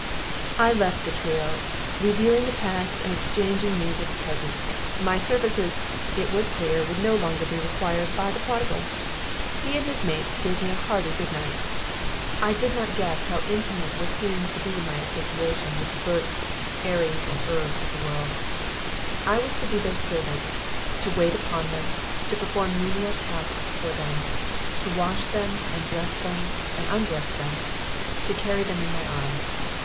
I left the trio reviewing the past and exchanging news of the present. My services, it was clear, would no longer be required by the prodigal. He and his mates gave me a hearty good night. I did not guess how intimate was soon to be my association with the Berts and 'Arries and 'Erbs of the world. I was to be their servant, to wait upon them, to perform menial tasks for them, to wash them and dress them and undress them, to carry them in my arms.